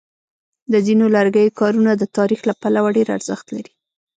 د ځینو لرګیو کارونه د تاریخ له پلوه ډېر ارزښت لري.